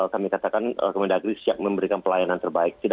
kami katakan kemendagri siap memberikan pelayanan terbaik